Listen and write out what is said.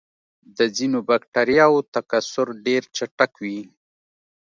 د ځینو بکټریاوو تکثر ډېر چټک وي.